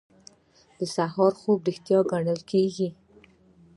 د سهار خوب ریښتیا ګڼل کیږي.